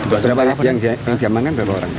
berapa yang diaman kan dua orang